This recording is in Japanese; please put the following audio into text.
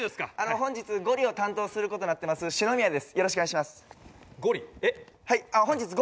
本日ゴリを担当する事になってますシノミヤです。